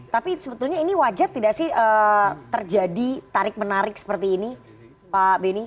tapi sebetulnya ini wajar tidak sih terjadi tarik menarik seperti ini pak beni